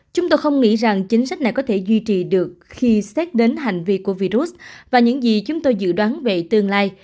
chúng tôi không nghĩ rằng chính sách này có thể duy trì được khi xét đến hành vi của virus và những gì chúng tôi dự đoán về tương lai